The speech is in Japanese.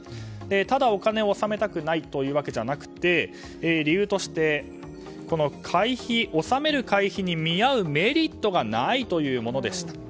ただ、お金を納めたくないというわけじゃなくて理由として、納める会費に見合うメリットがないというものでした。